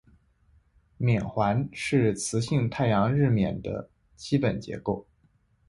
冕环是磁性太阳日冕的基本结构。